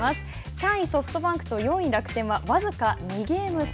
３位ソフトバンクと４位楽天は僅か２ゲーム差。